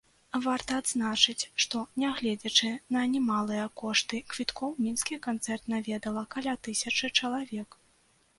Варта адзначыць, што нягледзячы на немалыя кошты квіткоў, мінскі канцэрт наведала каля тысячы чалавек.